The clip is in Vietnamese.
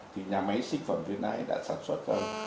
thì nhà máy sinh phẩm việt nam ấy đã sản xuất